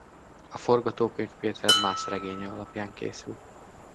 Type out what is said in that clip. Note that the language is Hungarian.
A forgatókönyv Peter Maas regénye alapján készült.